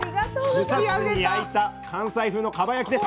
蒸さずに焼いた関西風のかば焼きです。